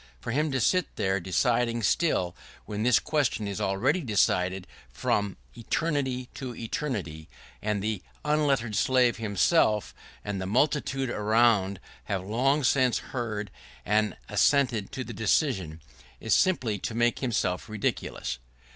For him to sit there deciding still, when this question is already decided from eternity to eternity, and the unlettered slave himself and the multitude around have long since heard and assented to the decision, is simply to make himself ridiculous.